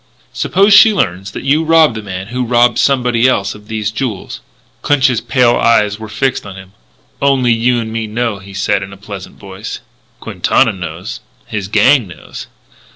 "Suppose she learns that you robbed the man who robbed somebody else of these jewels." Clinch's pale eyes were fixed on him: "Only you and me know," he said in his pleasant voice. "Quintana knows. His gang knows."